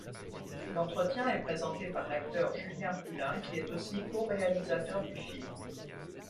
L'entretien est présenté par l'acteur Julien Poulin qui est aussi coréalisateur du film.